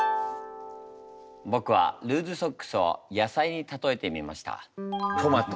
僕はルーズソックスを野菜に例えてみました。